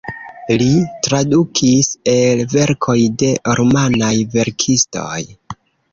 Li tradukis el verkoj de rumanaj verkistoj.